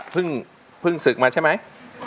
เพิ่งศึกมาใช่ไหม